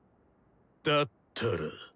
だったら。